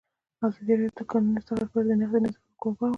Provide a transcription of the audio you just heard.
ازادي راډیو د د کانونو استخراج په اړه د نقدي نظرونو کوربه وه.